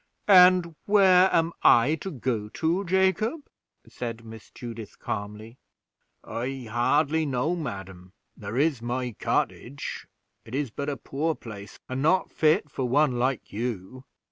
"And where am I to go to, Jacob?" said Miss Judith, calmly. "I hardly know, madam; there is my cottage; it is but a poor place, and not fit for one like you."